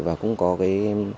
và cũng có cái